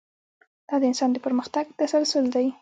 دا د انسان د پرمختګ تسلسل دی.